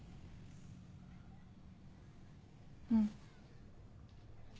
うん。